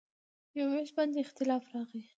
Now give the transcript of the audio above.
پر وېش باندې اختلاف راغی.